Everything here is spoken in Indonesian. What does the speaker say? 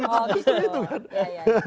justru itu kan